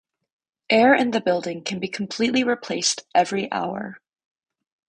Air in the building can be completely replaced every hour.